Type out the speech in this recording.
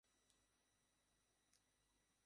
সাহস নিয়ে দৌড়াও!